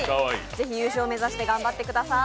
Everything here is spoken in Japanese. ぜひ優勝目指して頑張ってください。